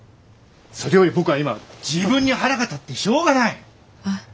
それより僕は今自分に腹が立ってしょうがない！えっ？